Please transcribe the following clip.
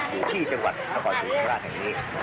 อยู่ที่จังหวัดหลังจากสินภาราชแห่งนี้